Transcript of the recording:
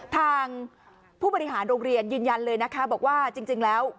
ทางผู้บริหารโรงเรียนยืนยันเลยนะคะบอกว่าจริงแล้ว